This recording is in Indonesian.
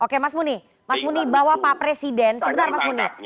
oke mas muni mas muni bawa pak presiden sebentar mas muni